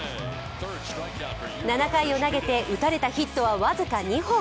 ７回を投げて、打たれたヒットは僅か２本。